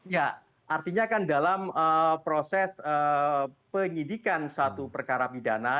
ya artinya kan dalam proses penyidikan satu perkara pidana